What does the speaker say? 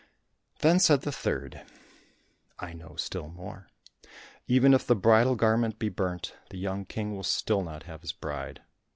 Then said the third, "I know still more; even if the bridal garment be burnt, the young King will still not have his bride.